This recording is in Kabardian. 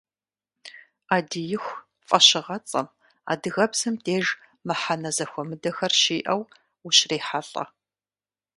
«Ӏэдииху» фӀэщыгъэцӀэм адыгэбзэм деж мыхьэнэ зэхуэмыдэхэр щиӀэу ущрехьэлӀэ.